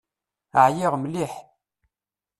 Ɛyiɣ mliḥ.